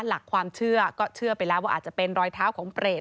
หลักความเชื่อก็เชื่อไปแล้วว่าอาจจะเป็นรอยเท้าของเปรต